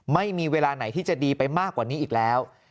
ไม่มีเวลาไหนที่จะดีไปมากกว่านี้อีกแล้ว